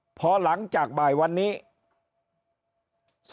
ทีนี้พอหลังจากบ่ายวันนี้สารก็จะมีมติว่า